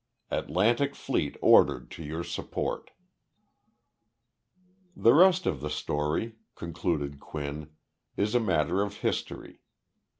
Atlantic Fleet ordered to your support. "The rest of the story," concluded Quinn, "is a matter of history.